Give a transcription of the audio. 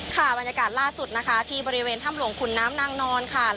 บรรยากาศล่าสุดนะคะที่บริเวณถ้ำหลวงขุนน้ำนางนอนค่ะ